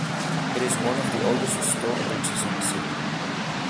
It is one of the oldest stone bridges in the city.